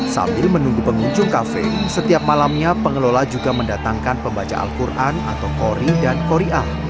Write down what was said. sambil menunggu pengunjung kafe setiap malamnya pengelola juga mendatangkan pembaca al quran atau kori dan koriah